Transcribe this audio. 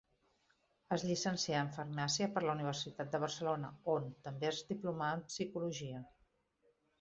Es llicencià en farmàcia per la Universitat de Barcelona, on també es diplomà en psicologia.